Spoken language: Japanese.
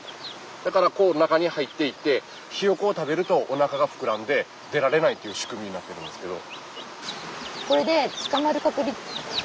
だから中に入っていてヒヨコを食べるとおなかが膨らんで出られないっていう仕組みになってるんですけど。